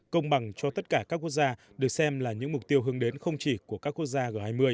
công bằng cho tất cả các quốc gia được xem là những mục tiêu hướng đến không chỉ của các quốc gia g hai mươi